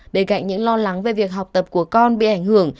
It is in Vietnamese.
bên cạnh những lo lắng về việc học tập của con bị ảnh hưởng